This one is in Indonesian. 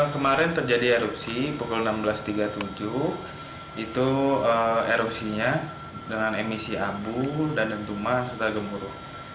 kemarin terjadi erupsi pukul enam belas tiga puluh tujuh itu erupsinya dengan emisi abu dan dentuman serta gemuruh